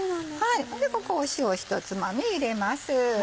でここ塩を一つまみ入れます。